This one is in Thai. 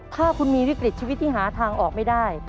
ถ้าคุณมีวิกฤตชีวิตที่หาทางออกไม่ได้